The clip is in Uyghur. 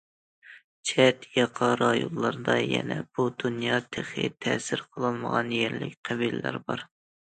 چەت- ياقا رايونلاردا يەنە بۇ دۇنيا تېخى تەسىر قىلالمىغان يەرلىك قەبىلىلەر بار.